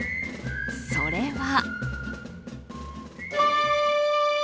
それは。